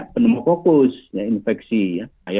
penemuh kokus infeksi ya